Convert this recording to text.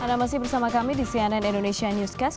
anda masih bersama kami di cnn indonesia newscast